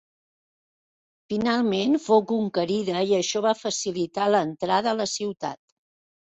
Finalment fou conquerida i això va facilitar l'entrada a la ciutat.